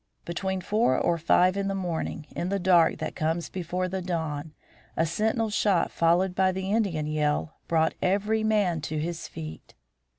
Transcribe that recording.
Between four and five in the morning, in the dark that comes before the dawn, a sentinel's shot followed by the Indian yell brought every man to his feet.